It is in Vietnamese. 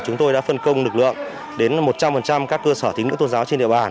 chúng tôi đã phân công lực lượng đến một trăm linh các cơ sở tính nữ tôn giáo